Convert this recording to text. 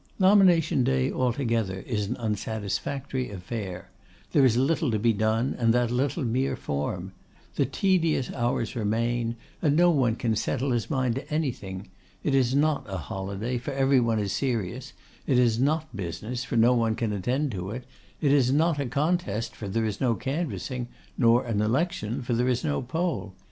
Nomination day altogether is an unsatisfactory affair. There is little to be done, and that little mere form. The tedious hours remain, and no one can settle his mind to anything. It is not a holiday, for every one is serious; it is not business, for no one can attend to it; it is not a contest, for there is no canvassing; nor an election, for there is no poll.